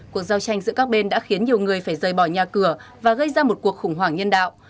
cuộc giao tranh giữa các bên đã khiến nhiều người phải rời bỏ nhà cửa và gây ra một cuộc khủng hoảng nhân đạo